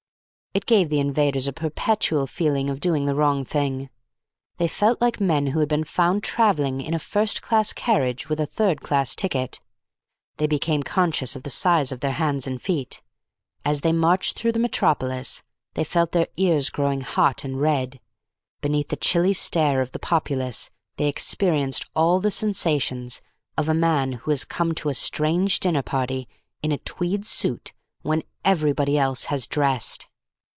It gave the invaders a perpetual feeling of doing the wrong thing. They felt like men who had been found travelling in a first class carriage with a third class ticket. They became conscious of the size of their hands and feet. As they marched through the Metropolis they felt their ears growing hot and red. Beneath the chilly stare of the populace they experienced all the sensations of a man who has come to a strange dinner party in a tweed suit when everybody else has dressed.